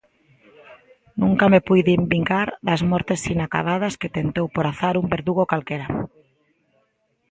Nunca me puiden vingar das mortes inacabadas que tentou por azar un verdugo calquera.